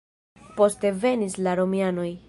Poste venis la romianoj.